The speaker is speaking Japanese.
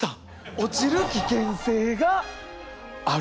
落ちる危険性がある。